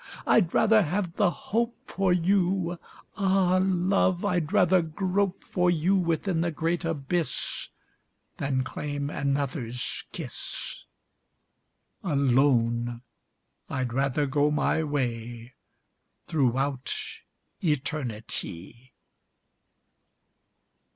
I'd rather have the hope for you, Ah, Love, I'd rather grope for youWithin the great abyssThan claim another's kiss—Alone I'd rather go my wayThroughout eternity.